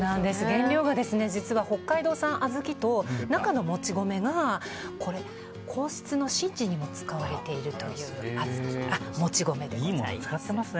原料が実は北海道産の小豆と中のもち米が皇室の神事にも使われているというもち米でございます。